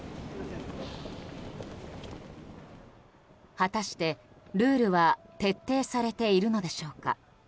果たして、ルールは徹底されているのでしょうか。